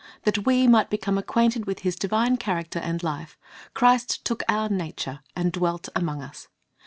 That we might become acquainted with His divine character and life, Christ took our nature, and dwelt among us.